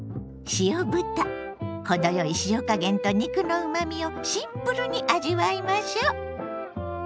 程よい塩加減と肉のうまみをシンプルに味わいましょ！